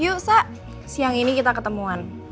yuk sak siang ini kita ketemuan